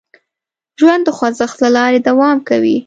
ژوند د خوځښت له لارې دوام کوي.